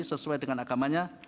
sesuai dengan agamanya